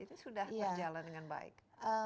ini sudah berjalan dengan baik